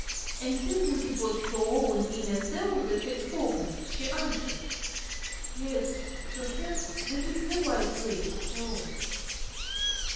And thinking it was her own inner self that had spoken, she answered, "Yes, perhaps that is the wise way after all."